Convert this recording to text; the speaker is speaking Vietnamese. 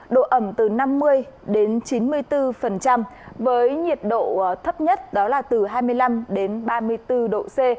độ ẩm từ năm mươi đến chín mươi bốn với nhiệt độ thấp nhất đó là từ hai mươi năm ba mươi bốn độ c